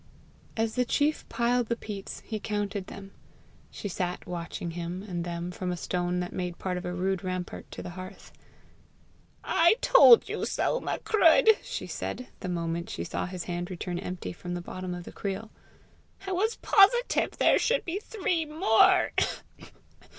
As the chief piled the peats, he counted them. She sat watching him and them from a stone that made part of a rude rampart to the hearth. "I told you so, Macruadh!" she said, the moment she saw his hand return empty from the bottom of the creel. "I was positive there should be three more!